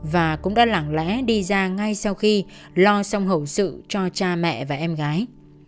và cũng đã lặng lẽ đi ra ngay sau khi lo xong hậu sự cho cha mẹ và em gái